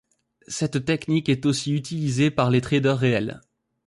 Cette technique est aussi utilisée par les traders réels.